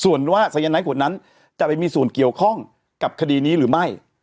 ส่วนว่าสายนายขวดนั้นจะไปมีส่วนเกี่ยวข้องกับคดีนี้หรือไม่